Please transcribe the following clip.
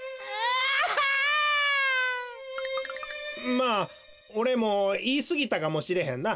まあおれもいいすぎたかもしれへんな。